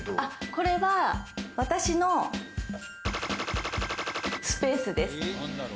これは私のスペースです。